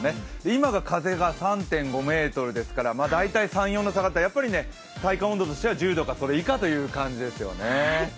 今が風邪が３．５メートルですから、大体３４度下がる、やっぱり体感温度としては１０度かそれ以下という感じですよね。